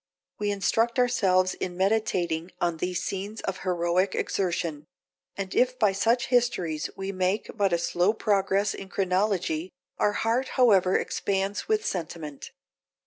We instruct ourselves in meditating on these scenes of heroic exertion; and if by such histories we make but a slow progress in chronology, our heart however expands with sentiment.